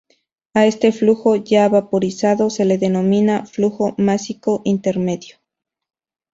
A este flujo ya vaporizado se le denomina "flujo másico intermedio".